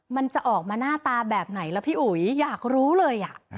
มันจะออกมาหน้าตาแบบไหนล่ะพี่อุ๋ยอยากรู้เลย